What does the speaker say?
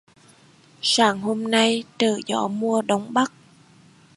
Sáng hôm nay trở gió mùa Đông Bắc